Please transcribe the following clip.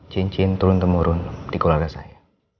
cincin turun temurun di keluarga saya